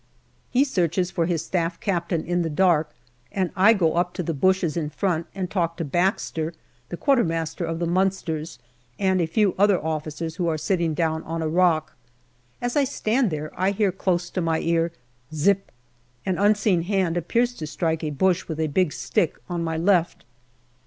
He searches for his Staff Captain in the dark, and I go up to the bushes in front and talk to Baxter, the Quarter master of the Munsters, and a few other officers who are sitting down on a rock. As I stand there I hear close to my ear " zi i ip " an unseen hand appears to strike a bush with a big stick on my left.